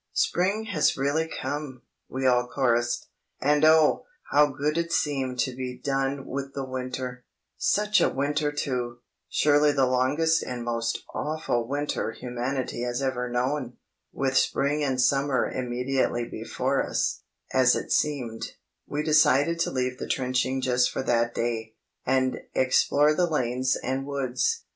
"Spring has really come," we all chorused. And oh, how good it seemed to be done with the winter; such a winter too! Surely the longest and most awful winter humanity has ever known! With spring and summer immediately before us, as it seemed, we decided to leave the trenching just for that day, and explore the lanes and woods.